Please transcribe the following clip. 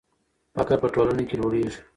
فقر په ټولنه کې لوړېږي.